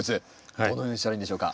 どのようにしたらいいんでしょうか？